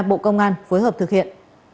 bộ công an phối hợp thực hiện